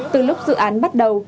từ lúc dự án bắt đầu